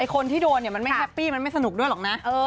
คนที่โดนมันไม่แฮปปี้มันไม่สนุกด้วยหรอกนะ